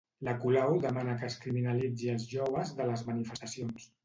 La Colau demana que es criminalitzi els joves de les manifestacions.